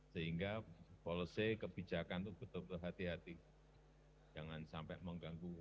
sehingga policy kebijakan itu betul betul hati hati jangan sampai mengganggu